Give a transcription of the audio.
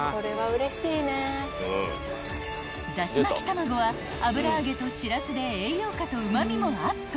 ［だし巻き卵は油揚げとしらすで栄養価とうま味もアップ］